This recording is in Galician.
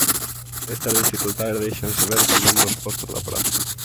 Estas dificultades déixanse ver tamén nos postos da praza.